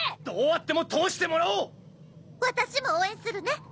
どうあっても通してもらおう私も応援するね